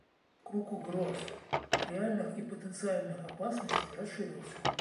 Круг угроз, реальных и потенциальных опасностей расширился.